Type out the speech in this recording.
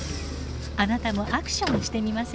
あなたもアクションしてみませんか？